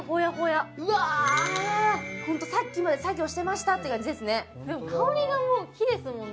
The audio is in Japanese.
ホントさっきまで作業してましたって感じですねですね